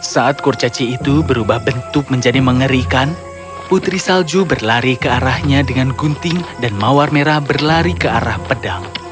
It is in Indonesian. saat kurcaci itu berubah bentuk menjadi mengerikan putri salju berlari ke arahnya dengan gunting dan mawar merah berlari ke arah pedang